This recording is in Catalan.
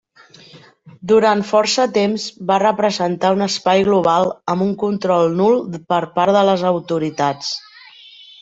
Durant força temps va representar un espai global amb un control nul per part de les autoritats.